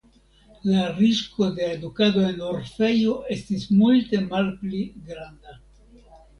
La risko de edukado en orfejo estis multe malpli granda".